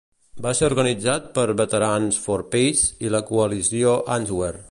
Va ser organitzat per Veterans for Peace i la Coalició Answer.